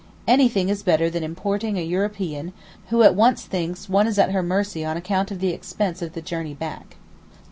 Anything is better than importing a European who at once thinks one is at her mercy on account of the expense of the journey back.